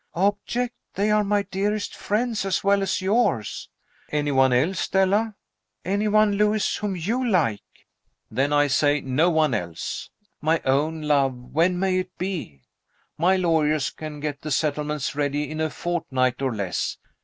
"Object? They are my dearest friends, as well as yours!" "Any one else, Stella?" "Any one, Lewis, whom you like. "Then I say no one else. My own love, when may it be? My lawyers can get the settlements ready in a fortnight, or less.